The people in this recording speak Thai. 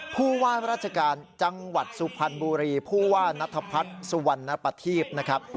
ผู้ว่าราชการจังหวัดสุพรรณบุรีผู้ว่านัทพัฒน์สุวรรณปฏีพนะครับ